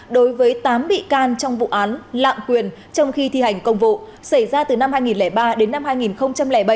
đối với tám bị can trong vụ án lạm quyền trong khi thi hành công vụ xảy ra từ năm hai nghìn ba đến năm hai nghìn bảy